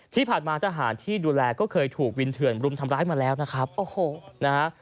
ที่ผ่านมาทหารที่ดูแลก็เคยถูกวินเถื่อนรุมทำร้ายมาแล้วนะครับโอ้โหนะฮะ